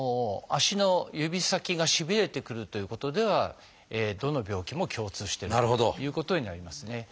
足の指先がしびれてくるということではどの病気も共通してるということになりますね。